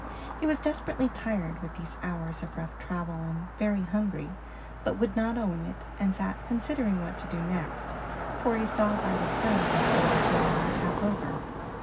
He was desperately tired with these hours of rough travel, and very hungry; but would not own it, and sat considering what to do next, for he saw by the sun that the afternoon was half over.